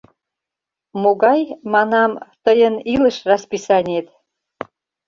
Могай, манам, тыйын илыш расписаниет?